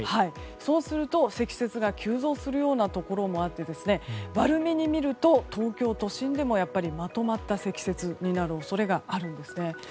そうすると、積雪が急増するようなところもあって悪めに見ると、東京都心でもまとまった積雪になる恐れがあるんですね。